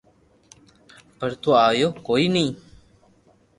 پر تو آيو ڪوئي ني